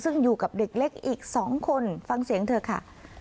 ซึ่งอยู่กับเด็กเล็กอีก๒คนฟังเสียงเธอค่ะ